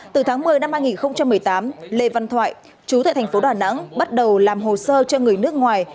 từ tháng một mươi năm hai nghìn một mươi tám lê văn thoại chú tại thành phố đà nẵng bắt đầu làm hồ sơ cho người nước ngoài